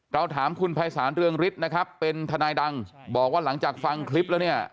ถามคุณภัยศาลเรืองฤทธิ์นะครับเป็นทนายดังบอกว่าหลังจากฟังคลิปแล้วเนี่ย